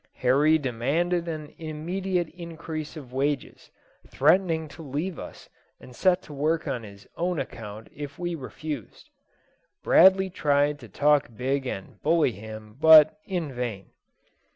Horry demanded an immediate increase of wages, threatening to leave us and set to work on his own account if we refused. Bradley tried to talk big and bully him, but in vain.